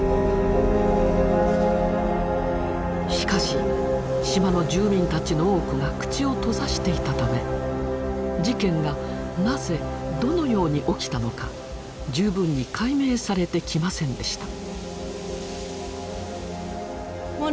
しかし島の住民たちの多くが口を閉ざしていたため事件がなぜどのように起きたのか十分に解明されてきませんでした。